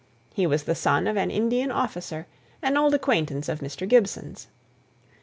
He was the son of an Indian officer, an old acquaintance of Mr. Gibson's.